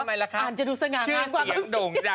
นั้นคันจริงเหรอเธอ